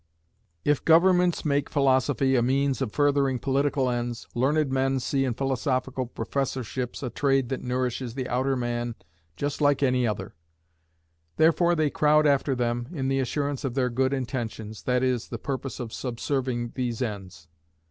If Governments make philosophy a means of furthering political ends, learned men see in philosophical professorships a trade that nourishes the outer man just like any other; therefore they crowd after them in the assurance of their good intentions, that is, the purpose of subserving these ends.